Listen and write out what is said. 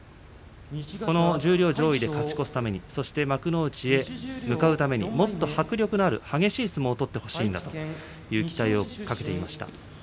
この十両上位で勝ち越しするためにはもっと迫力のある激しい相撲を取ってほしいんだという期待をかけていました。